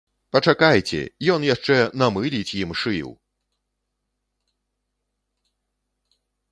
Пачакайце, ён яшчэ намыліць ім шыю!